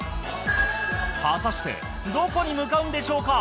果たしてどこに向かうんでしょうか？